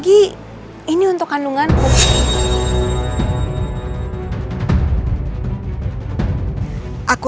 bisa tidak makan pedija tadi